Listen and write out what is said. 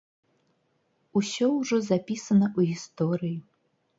Усё ўжо запісана ў гісторыі.